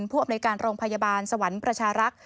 ผู้อำนวยการโรงพยาบาลสวรรค์ประชารักษ์